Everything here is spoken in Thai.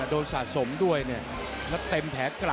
โดนสะสมด้วยเนี่ย